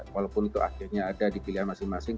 walaupun itu akhirnya ada di pilihan masing masing